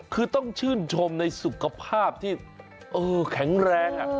คือต้องชื่นชมในสุขภาพที่แข็งแรง